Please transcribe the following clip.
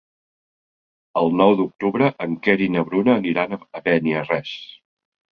El nou d'octubre en Quer i na Bruna aniran a Beniarrés.